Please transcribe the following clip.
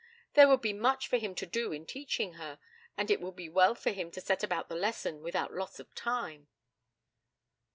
There would be much for him to do in teaching her, and it would be well for him to set about the lesson without loss of time.